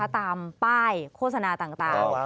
ตามป้ายโฆษณาต่าง